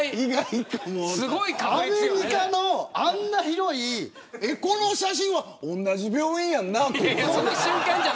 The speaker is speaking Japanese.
アメリカのあんなに広いこの写真は同じ病院やんなということ。